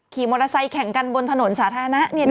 ขี่มอเตอร์ไซค์แข่งกันบนถนนสาธารณะ